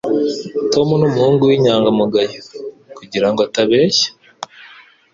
Tom numuhungu winyangamugayo, kugirango atabeshya.